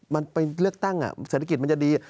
มันไปเลือกตั้งเศรษฐกิจมันจะดี